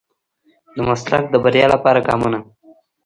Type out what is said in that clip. د مسلک د بريا لپاره ګامونه.